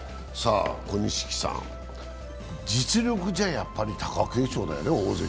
小錦さん、実力じゃやっぱり貴景勝だよね。